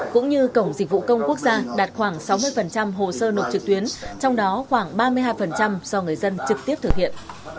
cũng như cổng dịch vụ công quốc gia đạt khoảng sáu mươi hồ sơ nộp trực tuyến trong đó khoảng ba mươi hai do người dân trực tiếp thực hiện